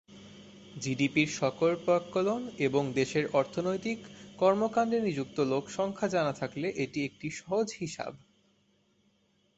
জিডিপি’র সঠিক প্রাক্কলন এবং দেশের অর্থনৈতিক কর্মকাণ্ডে নিযুক্ত লোক সংখ্যা জানা থাকলে এটি একটি সহজ হিসাব।